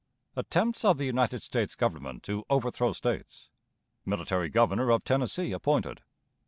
Attempts of the United States Government to overthrow States. Military Governor of Tennessee appointed.